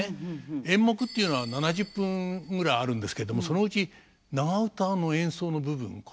演目っていうのは７０分ぐらいあるんですけれどもそのうち長唄の演奏の部分これが半分近くあるんです。